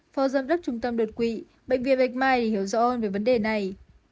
phó giám đốc trung tâm đột quỵ bệnh viện bạch mai để hiểu rõ hơn về vấn đề này